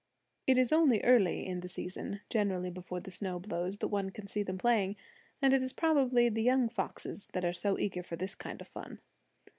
It is only early in the season, generally before the snow blows, that one can see them playing; and it is probably the young foxes that are so eager for this kind of fun.